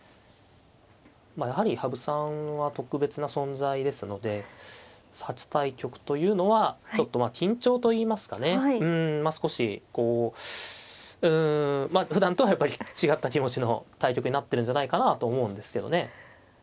まあやはり羽生さんは特別な存在ですので初対局というのはちょっとまあ緊張といいますかねうんまあ少しこううんふだんとはやっぱり違った気持ちの対局になってるんじゃないかなと思うんですけどね。